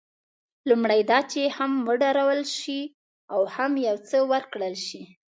لومړی دا چې هم وډارول شي او هم یو څه ورکړل شي.